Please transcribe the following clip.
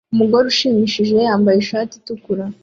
Umugore ushimishije wambaye ishati itukura